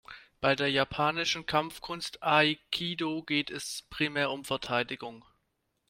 Bei der japanischen Kampfkunst Aikido geht es primär um Verteidigung.